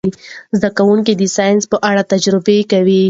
زده کوونکي د ساینس په اړه تجربې کوي.